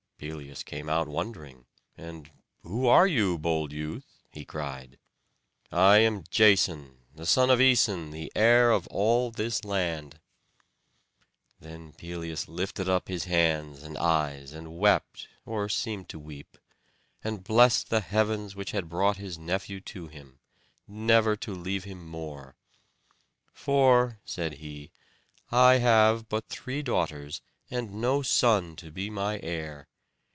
Pelias came out wondering, and "Who are you, bold youth?" he cried. "I am Jason, the son of Æson, the heir of all this land." Then Pelias lifted up his hands and eyes, and wept, or seemed to weep; and blessed the heavens which had brought his nephew to him, never to leave him more. "For," said he, "I have but three daughters, and no son to be my heir.